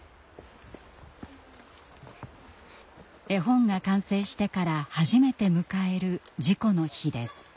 絵本が完成してから初めて迎える事故の日です。